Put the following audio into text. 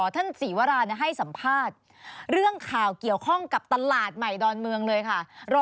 ท่านศรีวราให้สัมภาษณ์เรื่องข่าวเกี่ยวข้องกับตลาดใหม่ดอนเมืองเลยค่ะ